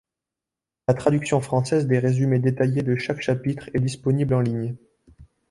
La traduction française des résumés détaillés de chaque chapitre est disponibles en ligne.